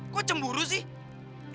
kok cemburu sih